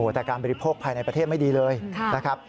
แต่การบริโภคภายในประเทศไม่ดีเลยนะครับ